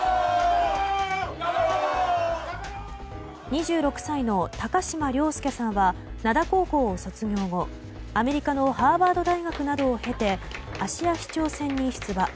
２６歳の高島崚輔さんは灘高校を卒業後、アメリカのハーバード大学などを経て芦屋市長選に出馬。